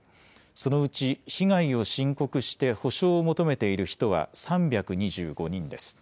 そのうち被害を申告して補償を求めている人は３２５人です。